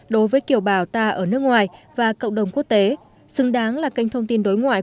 đối với kiểu bào ta ở nước ngoài và cộng đồng quốc tế xứng đáng là kênh thông tin đối ngoại